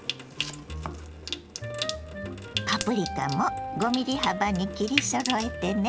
パプリカも５ｍｍ幅に切りそろえてね。